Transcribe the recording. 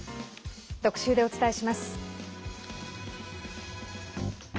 特集でお伝えします。